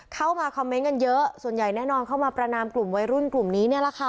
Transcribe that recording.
เข้ามาคอมเมนต์กันเยอะส่วนใหญ่แน่นอนเข้ามาประนามกลุ่มวัยรุ่นกลุ่มนี้เนี่ยแหละค่ะ